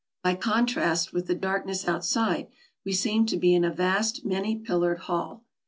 By contrast with the darkness outside, we seemed to be in a vast, many pillared hall.